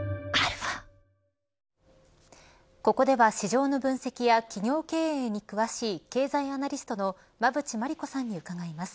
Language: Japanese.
ここでは、市場の分析や企業経営に詳しい経済アナリストの馬渕磨理子さんに伺います。